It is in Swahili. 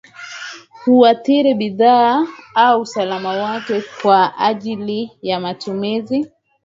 Huathiri bidhaa au usalama wake kwa ajili ya matumizi